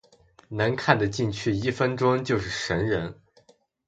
能看的进去一分钟就是神人